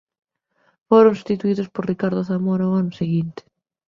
Foron substituídos por Ricardo Zamora ó ano seguinte.